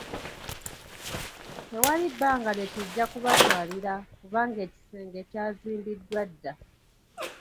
Tewali bbanga lye kijja kubatwalira kubanga ekisenge ky'azimbidddwa dda.